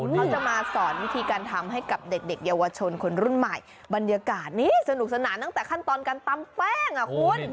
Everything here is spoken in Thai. เขาจะมาสอนวิธีการทำให้กับเด็กเยาวชนคนรุ่นใหม่บรรยากาศนี่สนุกสนานตั้งแต่ขั้นตอนการตำแป้งอ่ะคุณ